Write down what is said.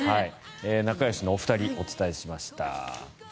仲よしのお二人をお伝えしました。